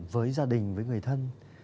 với gia đình với người thân